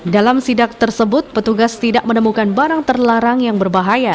dalam sidak tersebut petugas tidak menemukan barang terlarang yang berbahaya